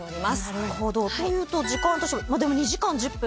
なるほどというと時間としては２時間１０分。